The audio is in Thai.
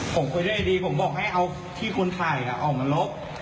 ผมคุยด้วยดีผมบอกให้เอาที่คุณถ่ายออกมาลบ